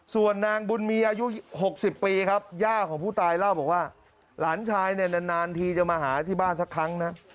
ส่วนนางบุญมีอายุ๖๐ปีครับย่าของผู้ตายเล่าบอกว่าหลานชายเนี่ยนานทีจะมาหาที่บ้านสักครั้งนะ